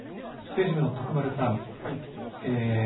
政治部の徳丸さん。